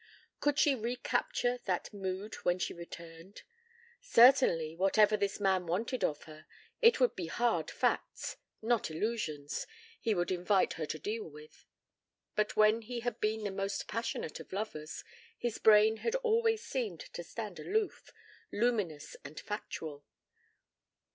Could she recapture that mood when she returned? Certainly, whatever this man wanted of her, it would be hard facts, not illusions, he would invite her to deal with. Even when he had been the most passionate of lovers, his brain had always seemed to stand aloof, luminous and factual.